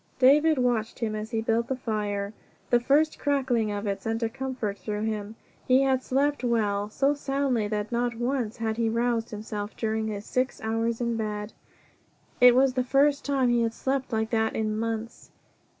David watched him as he built the fire. The first crackling of it sent a comfort through him. He had slept well, so soundly that not once had he roused himself during his six hours in bed. It was the first time he had slept like that in months.